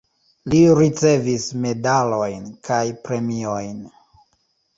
Li ricevis medalojn kaj premiojn.